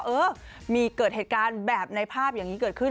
เออมีเกิดเหตุการณ์แบบในภาพอย่างนี้เกิดขึ้น